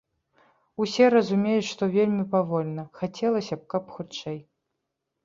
Усе разумеюць, што вельмі павольна, хацелася б, каб хутчэй.